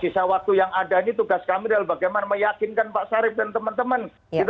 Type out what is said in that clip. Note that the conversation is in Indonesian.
dan sisa waktu yang ada ini tugas kami adalah bagaimana meyakinkan pak sarif dan teman teman